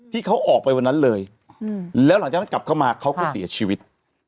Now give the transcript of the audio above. ที่เขาออกไปวันนั้นเลยแล้วหลังจากนั้นกลับเข้ามาเขาก็เสียชีวิต